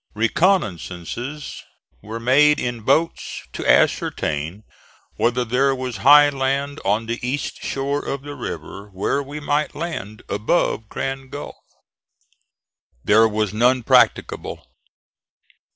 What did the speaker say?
Reconnoissances were made in boats to ascertain whether there was high land on the east shore of the river where we might land above Grand Gulf. There was none practicable.